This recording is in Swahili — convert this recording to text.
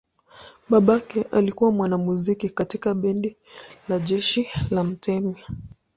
Babake alikuwa mwanamuziki katika bendi la jeshi la mtemi.